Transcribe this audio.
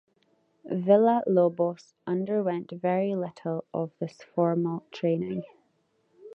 Villa-Lobos underwent very little of this formal training.